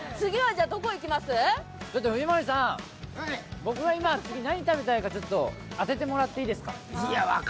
藤森さん、僕が今、何食べたいか当ててもらっていいですか？